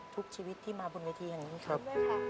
ทุกชีวิตที่มาบนเวทีแห่งนี้ครับ